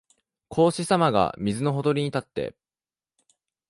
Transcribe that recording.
孔子さまが水のほとりに立って、